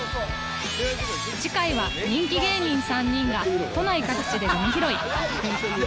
次回は人気芸人３人が都内各地でごみ拾い